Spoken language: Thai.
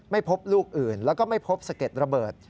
ไม่พบลูกอื่นแล้วก็ไม่พบสะเก็ดระเบิด